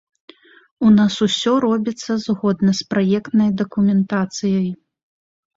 У нас усё робіцца згодна з праектнай дакументацыяй.